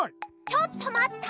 ちょっとまった！